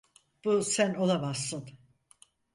Bu sen olamazsın.